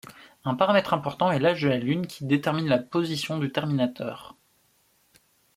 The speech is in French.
Un paramètre important est l'âge de la Lune qui détermine la position du terminateur.